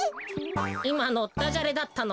いまのダジャレだったのか？